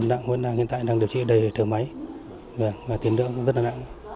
nặng nặng nặng hiện tại đang điều trị đầy thử máy và tiến đỡ cũng rất là nặng